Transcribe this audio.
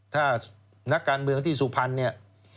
ถ้านักการเมืองที่สุพรรณเนี่ย